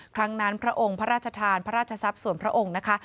ครั้งนั้นพระองค์พระราชทานพระราชทรัพย์ส่วนพระองค์นะคะ